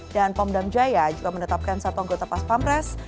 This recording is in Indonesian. dan pom dam jaya juga menetapkan satu anggota pas pampres